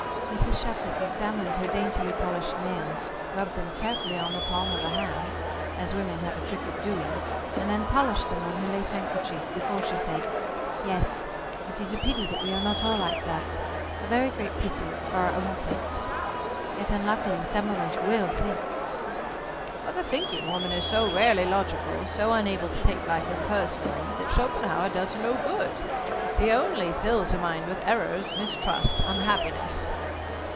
Mrs. Shattuck examined her daintily polished nails, rubbed them carefully on the palm of her hand, as women have a trick of doing, and then polished them on her lace handkerchief, before she said, "Yes, it is a pity that we are not all like that, a very great pity for our own sakes. Yet, unluckily, some of us will think." "But the thinking woman is so rarely logical, so unable to take life impersonally, that Schopenhauer does her no good. He only fills her mind with errors, mistrust, unhappiness."